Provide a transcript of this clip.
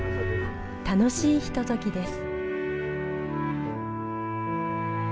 楽しいひとときです。